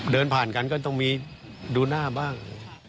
เดินผ่านกันก็ต้องมีดูหน้าบ้าง